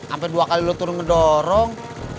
ampe dua kali lo turun ngedorong